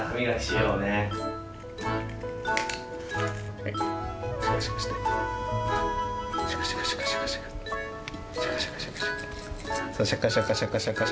そうシャカシャカシャカシャカシャカ。